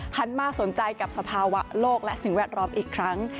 หันมาสนใจกับสภาวะโลกและสิ่งแวดล้อมอีกครั้ง